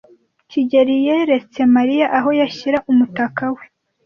kigeli yeretse Mariya aho yashyira umutaka we.